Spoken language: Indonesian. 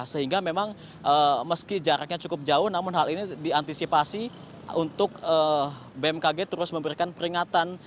sehingga memang meski jaraknya cukup jauh namun hal ini diantisipasi untuk bmkg terus memberikan peringatan